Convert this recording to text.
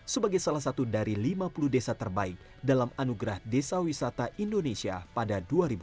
sebagai salah satu dari lima puluh desa terbaik dalam anugerah desa wisata indonesia pada dua ribu dua puluh